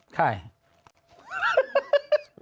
ใคร